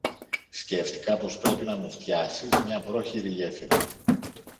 Σκέφθηκα πως πρέπει να μου φτιάσεις μια πρόχειρη γέφυρα.